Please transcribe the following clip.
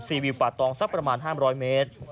วิวป่าตองสักประมาณ๕๐๐เมตร